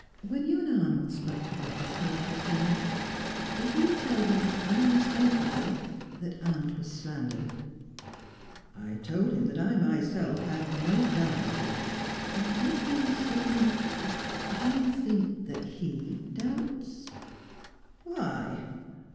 When you and Arnold spoke about this hateful thing, did you tell him, unmistakably, that aunt was slandered?" "I told him that I myself had no doubt of it." "Did he seem do you think that he doubts?" "Why?"